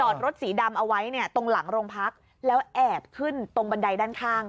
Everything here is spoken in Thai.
รถสีดำเอาไว้เนี่ยตรงหลังโรงพักแล้วแอบขึ้นตรงบันไดด้านข้าง